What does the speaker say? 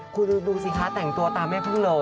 คุณดูสิคะแต่งตัวตามแม่พึ่งเลย